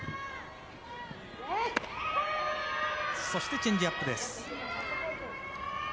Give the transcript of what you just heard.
そしてチェンジアップです。